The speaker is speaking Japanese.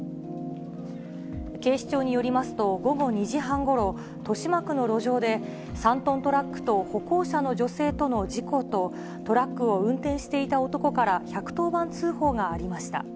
警視庁によりますと、午後２時半ごろ、豊島区の路上で、３トントラックと歩行者の女性との事故と、トラックを運転していた男から１１０番通報がありました。